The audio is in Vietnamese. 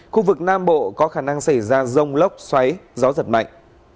khu vực nam bộ có khả năng xảy ra rông lốc xoáy gió giật mạnh